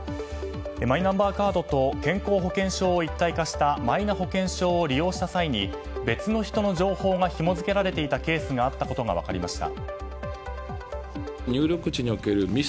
マイナンバーカードと健康保険証を一体化したマイナ保険証を利用した際に別の人の情報がひも付けられていたケースがあったことが分かりました。